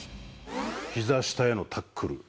ひざ下へのタックル。